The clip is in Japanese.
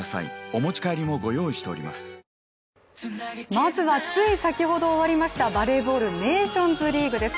まずはつい先ほど終わりましたバレーボール、ネーションズリーグです。